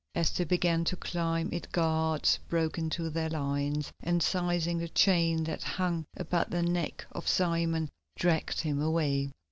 As they began to climb it guards broke into their lines, and seizing the chain that hung about the neck of Simon, dragged him away.